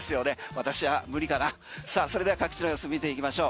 私は無理かな、さあそれでは各地の様子見ていきましょう。